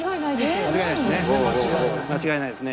間違いないですね。